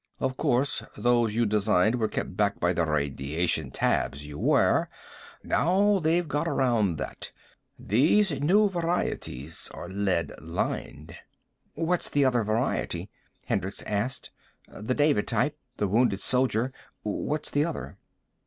Of course, those you designed were kept back by the radiation tabs you wear. Now they've got around that. These new varieties are lead lined." "What's the other variety?" Hendricks asked. "The David type, the Wounded Soldier what's the other?"